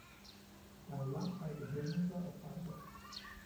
Der er en lang række hændelser og fejder.